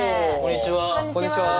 こんにちは。